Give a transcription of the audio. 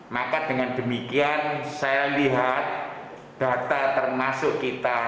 maka dengan demikian saya lihat data termasuk kita